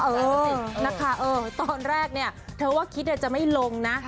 เออสินะคะตอนแรกเนี่ยเธอว่าคิดจะไม่ลงนะ